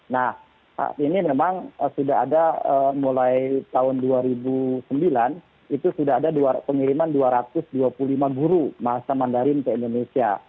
nah saat ini memang sudah ada mulai tahun dua ribu sembilan itu sudah ada pengiriman dua ratus dua puluh lima guru bahasa mandarin ke indonesia